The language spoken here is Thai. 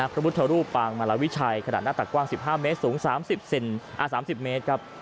พระพุทธรูปปางมาลาวิชัยขนาดหน้าตักกว้าง๑๕เมตรสูง๓๐เมตรครับ